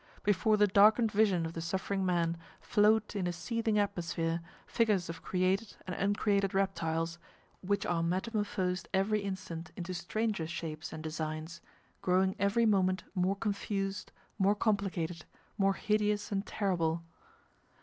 Before the darkened vision of the suffering man, float in a seething atmosphere, figures of created and uncreated reptiles, which are metamorphosed every instant into stranger shapes and designs, growing every moment more confused, more complicated, more hideous and terrible.